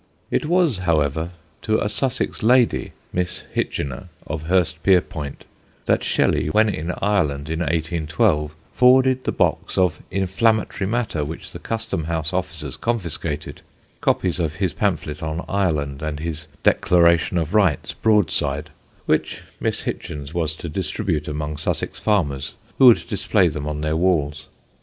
It was, however, to a Sussex lady, Miss Hitchener of Hurstpierpoint, that Shelley, when in Ireland in 1812, forwarded the box of inflammatory matter which the Custom House officers confiscated copies of his pamphlet on Ireland and his "Declaration of Rights" broadside, which Miss Hitchener was to distribute among Sussex farmers who would display them on their walls.